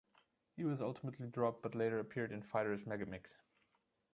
He was ultimately dropped, but later appeared in "Fighters Megamix".